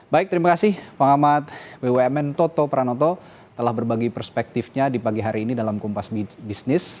baik terima kasih pengamat bumn toto pranoto telah berbagi perspektifnya di pagi hari ini dalam kompas bisnis